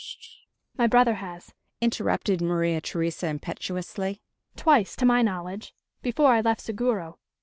"My brother has," interrupted Maria Theresa impetuously. "Twice, to my knowledge, before I left Seguro.